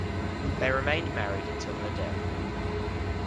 They remained married until her death.